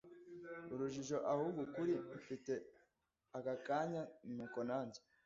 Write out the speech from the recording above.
urujijo ahubwo ukuri mfite aka kanya nuko najye